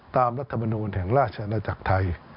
ตามรัฐบนูลแห่งราชนาจักรไทย